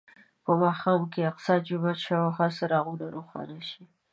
په ماښام کې د الاقصی جومات شاوخوا څراغونه روښانه شي.